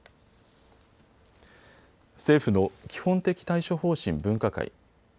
政府の基本的対処方針分科会。